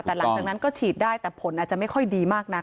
แต่หลังจากนั้นก็ฉีดได้แต่ผลอาจจะไม่ค่อยดีมากนัก